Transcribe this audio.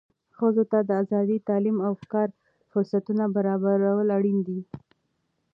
ښځو ته د آزادۍ، تعلیم او کار فرصتونه برابرول اړین دي.